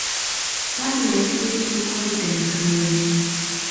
What makes people call them green?